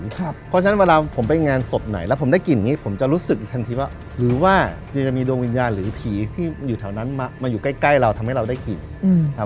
เพราะฉะนั้นเวลาผมไปงานศพไหนแล้วผมได้กลิ่นนี้ผมจะรู้สึกอีกทันทีว่าหรือว่าจะมีดวงวิญญาณหรือผีที่อยู่แถวนั้นมาอยู่ใกล้เราทำให้เราได้กลิ่นครับ